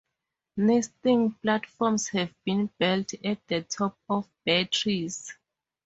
Nesting platforms have been built at the top of bare trees.